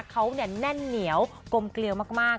เขาเนี่ยแน่นเหนียวกมเกลียวมาก